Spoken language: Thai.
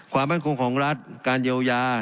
ความมั่นคงของรัฐการเยียวยา